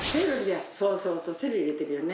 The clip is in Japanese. そうそうそうセロリ入れてるよね。